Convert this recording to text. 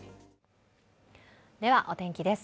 ではお天気です。